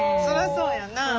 そりゃそうやな。